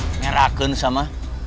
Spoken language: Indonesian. ini raken sama